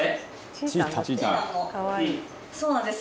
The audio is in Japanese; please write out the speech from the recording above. そうなんです。